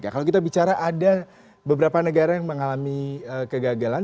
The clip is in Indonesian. kalau kita bicara ada beberapa negara yang mengalami kegagalan